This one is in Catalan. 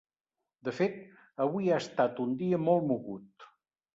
De fet, avui ha estat un dia molt mogut.